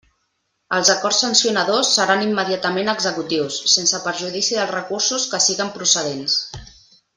Els acords sancionadors seran immediatament executius, sense perjudici dels recursos que siguen procedents.